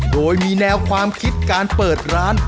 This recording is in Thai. โดยมีแนวความคิดการเปิดร้าน